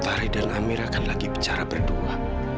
utari dan amira kan lagi bicara berdua